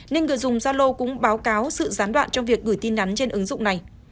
nên người dùng zalo cũng báo cáo sự gián đoạn trong việc gửi tin nhắn trên ứng dụng này